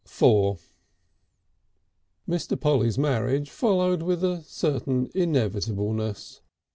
IV Mr. Polly's marriage followed with a certain inevitableness.